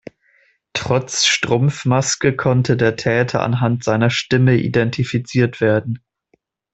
Trotz Strumpfmaske konnte der Täter anhand seiner Stimme identifiziert werden.